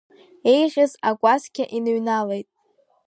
Еиӷьыз акәасқьа иныҩналеит.